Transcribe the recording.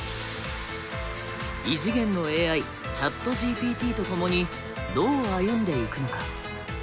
異次元のＡＩＣｈａｔＧＰＴと共にどう歩んでいくのか？